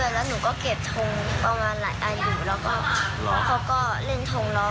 แล้วครอบนี้เก็บแล้วเพื่อนเขาเก็บทงแล้ว